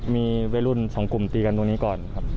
มีวัยรุ่นสองกลุ่มตีกันตรงนี้ก่อนครับ